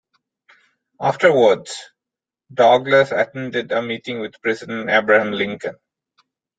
Afterwards, Douglass attended a meeting with President Abraham Lincoln.